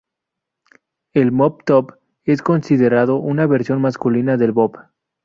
El mop-top es considerado una versión masculina del bob.